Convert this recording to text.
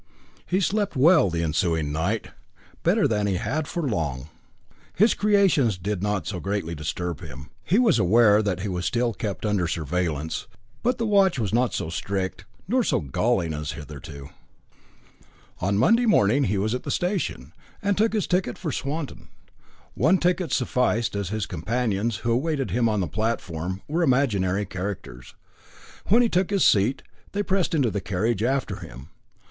He slept well the ensuing night, better than he had for long. His creations did not so greatly disturb him. He was aware that he was still kept under surveillance, but the watch was not so strict, nor so galling as hitherto. On the Monday morning he was at the station, and took his ticket for Swanton. One ticket sufficed, as his companions, who awaited him on the platform, were imaginary characters. When he took his seat, they pressed into the carriage after him.